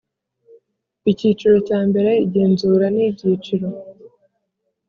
Icyiciro cya mbere Igenzura n ibyiciro